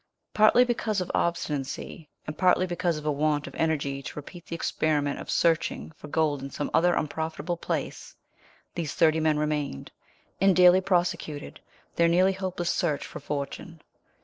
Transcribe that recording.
Partly because of obstinacy, and partly because of a want of energy to repeat the experiment of searching for gold in some other unprofitable place, these thirty men remained, and daily prosecuted their nearly hopeless search for fortune.